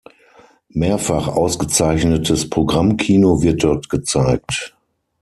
Mehrfach ausgezeichnetes Programmkino wird dort gezeigt.